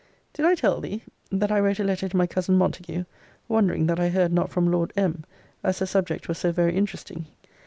Did I tell thee, that I wrote a letter to my cousin Montague, wondering that I heard not from Lord M. as the subject was so very interesting!